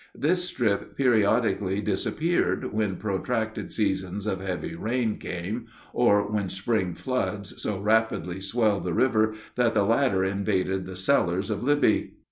This strip periodically disappeared when protracted seasons of heavy rain came, or when spring floods so rapidly swelled the river that the latter invaded the cellars of Libby.